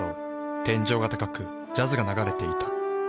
天井が高くジャズが流れていた。